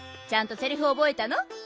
ちゃんとセリフおぼえたの？